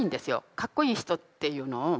かっこいい人っていうのを。